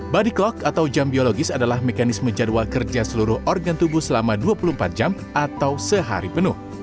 body clock atau jam biologis adalah mekanisme jadwal kerja seluruh organ tubuh selama dua puluh empat jam atau sehari penuh